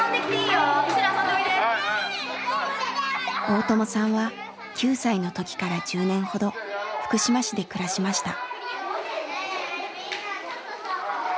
大友さんは９歳の時から１０年ほど福島市で暮らしました。